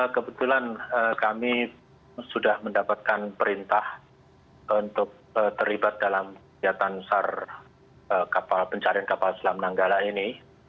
kebetulan kami sudah mendapatkan perintah untuk terlibat dalam kegiatan sar pencarian kapal selam nanggala ini